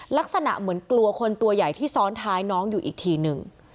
ลักษณะเหมือนกลัวคนตัวใหญ่ที่ซ้อนท้ายน้องอยู่อีกทีหนึ่ง